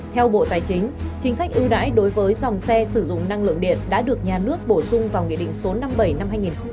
theo bộ tài chính chính sách ưu đãi đối với dòng xe sử dụng năng lượng điện đã được nhà nước bổ sung vào nghị định số năm mươi bảy năm hai nghìn một mươi bảy